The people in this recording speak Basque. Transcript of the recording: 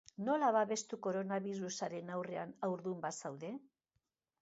Nola babestu koronabirusaren aurrean, haurdun bazaude?